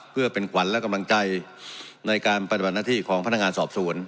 เพื่อเป็นขวัญและกำลังใจในการปฏิบัติหน้าที่ของพนักงานสอบสวน